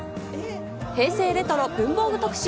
平成・レトロ文房具特集。